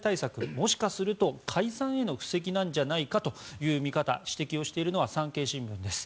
もしかすると解散への布石なんじゃないかという見方指摘をしているのは産経新聞です。